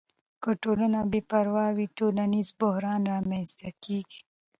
که ټولنه بې پروا وي، ټولنیز بحران رامنځته کیږي.